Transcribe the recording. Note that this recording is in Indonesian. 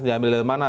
diamil dari mana